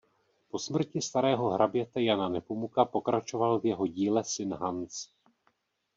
Po smrti starého hraběte Jana Nepomuka pokračoval v jeho díle syn Hans.